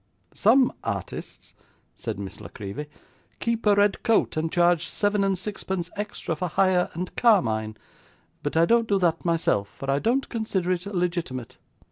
Some artists,' said Miss La Creevy, 'keep a red coat, and charge seven and sixpence extra for hire and carmine; but I don't do that myself, for I don't consider it legitimate.